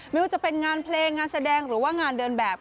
ไม่ว่าจะเป็นงานเพลงงานแสดงหรือว่างานเดินแบบ